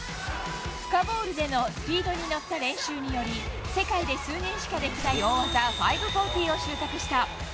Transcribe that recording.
深ボウルでのスピードに乗った練習により、世界で数人しかできない大技、５４０を習得した。